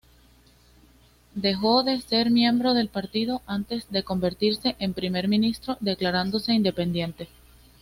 Dejó de ser miembro del partido antes de convertirse en Primer Ministro, declarándose independiente.